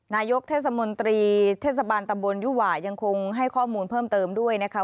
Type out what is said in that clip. นายกเทศมนตรีเทศบาลตำบลยุหว่ายังคงให้ข้อมูลเพิ่มเติมด้วยนะคะ